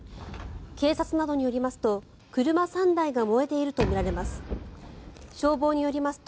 警察などによりますと、車３台が燃えているとみられます。